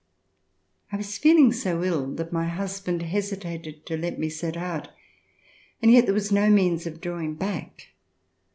I was feeling so ill that my husband hesitated to let me set out, and yet there was no means of draw ing back.